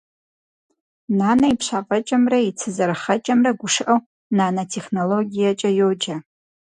Нанэ и пщафӏэкӏэмрэ и цы зэрыхъэкӏэмрэ гушыӏэу «нанэтехнологиекӏэ» йоджэ.